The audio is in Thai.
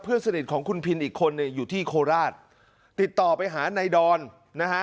สนิทของคุณพินอีกคนเนี่ยอยู่ที่โคราชติดต่อไปหานายดอนนะฮะ